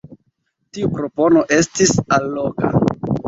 Tiu propono estis alloga.